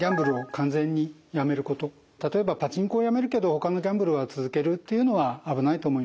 １つは例えばパチンコをやめるけどほかのギャンブルは続けるっていうのは危ないと思います。